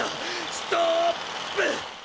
ストーップ！